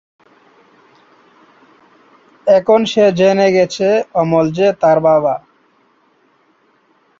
এখন সে জেনে গেছে যে অমল তার বাবা।